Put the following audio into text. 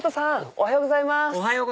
おはようございます